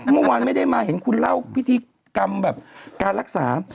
เมื่อวานไม่ได้มาเห็นคุณเล่าพิธีกรรมแบบการรักษา